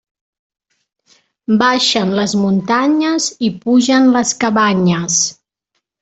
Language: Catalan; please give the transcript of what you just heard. Baixen les muntanyes i pugen les cabanyes.